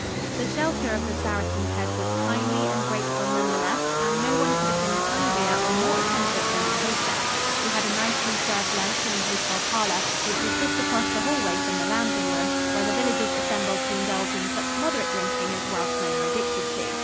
The shelter of the Saracen's Head was timely and grateful none the less, and no one could have been kindlier or more attentive than our hostess. We had a nicely served lunch in the hotel parlor, which was just across the hallway from the lounging room, where the villagers assembled to indulge in such moderate drinking as Welshmen are addicted to.